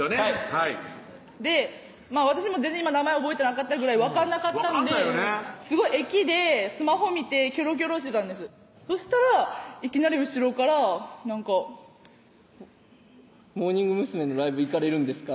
はいで私も名前覚えてなかったぐらい分かんなかったんですごい駅でスマホ見てキョロキョロしてたんですそしたらいきなり後ろからなんか「モーニング娘。のライブ行かれるんですか？」